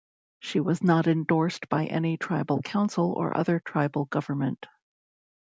She was not endorsed by any tribal council or other tribal government.